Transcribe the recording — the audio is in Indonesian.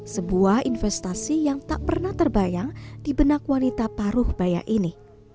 sebuah investasi yang tak pernah terbayang di benak wanita paruh bayak ini